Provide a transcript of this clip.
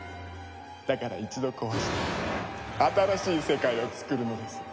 だから一度壊して新しい世界を創るのです。